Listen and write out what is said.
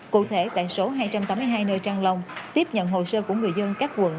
cụ thể tại số hai trăm tám mươi hai nơi trang long tiếp nhận hồ sơ của người dân các quận